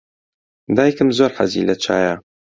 دایکم زۆر حەزی لە چایە.